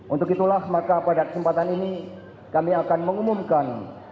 untuk itulah maka pada kesempatan ini kami akan mengumumkan